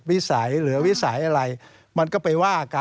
วิสัยหรือวิสัยอะไรมันก็ไปว่ากัน